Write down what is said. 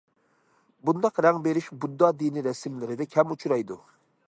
بۇنداق رەڭ بېرىش بۇددا دىنى رەسىملىرىدە كەم ئۇچرايدۇ.